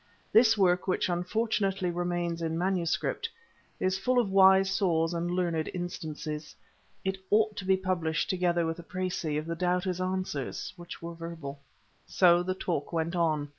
This work, which, unfortunately, remains in manuscript, is full of wise saws and learned instances. It ought to be published together with a précis of the doubter's answers, which were verbal. So the talk went on.